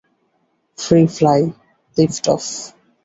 Free fly, lift of!